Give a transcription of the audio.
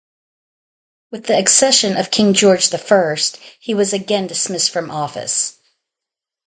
With the accession of King George the First he was again dismissed from office.